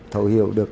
thấu hiểu được